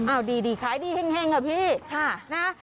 อ่าวดีขายดีแห่งค่ะพี่ค่ะนะฮะเดี๋ยวพี่กลับมากก่อนนะ